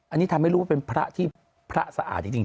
อันนี้ทำให้รู้ว่าเป็นพระที่พระสะอาดจริง